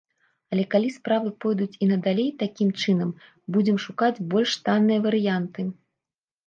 Але калі справы пойдуць і надалей такім чынам, будзем шукаць больш танныя варыянты.